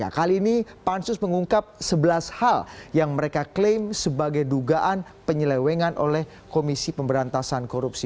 kali ini pansus mengungkap sebelas hal yang mereka klaim sebagai dugaan penyelewengan oleh komisi pemberantasan korupsi